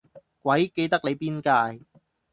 鬼記得你邊屆